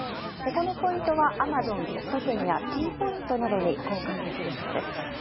このポイントはアマゾンギフト券やＴポイントなどに交換できるそうです。